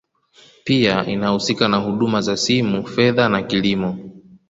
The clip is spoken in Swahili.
Pia inahusika na huduma za simu fedha na kilimo